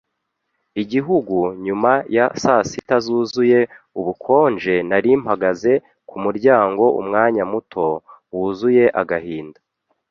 igihu, nyuma ya saa sita zuzuye ubukonje, Nari mpagaze kumuryango umwanya muto, wuzuye agahinda